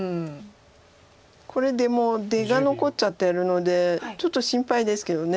これでも出が残っちゃってるのでちょっと心配ですけど。